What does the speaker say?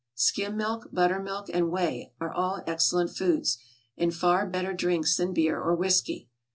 Skim milk, butter milk, and whey, are all excellent foods, and far better drinks than beer or whiskey.